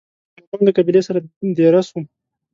له مومندو قبیلې سره دېره سو.